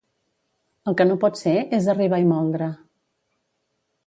El que no pot ser és arribar i moldre.